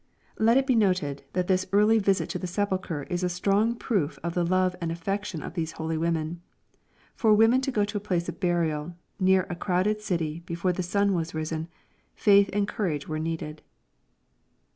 '] Let it be noted, that this early visit to the sepulchre is a strong proof of the love and affection of these holy women. For women to go to a plare of burial, neat a crowderl city, before the sun was risen, faith and courage were needed.